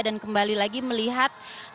dan kembali lagi melihat